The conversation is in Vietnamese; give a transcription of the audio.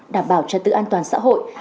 đảm bảo trật tự an toàn xã hội